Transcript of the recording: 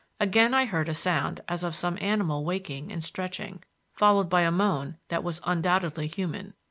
Again I heard a sound as of some animal waking and stretching, followed by a moan that was undoubtedly human.